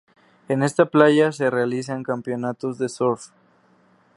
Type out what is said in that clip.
En esta playa se realizan campeonatos de surf.